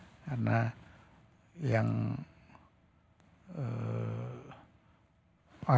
asal usulnya penyatuan dulu kan di inggris ya